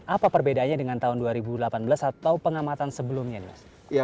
apa perbedaannya dengan tahun dua ribu delapan belas atau pengamatan sebelumnya mas